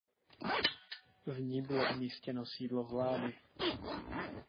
V ní bylo umístěno sídlo vlády.